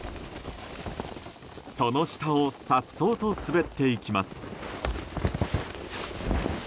その下を颯爽と滑っていきます。